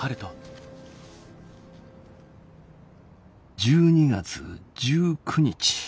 「１２月１９日。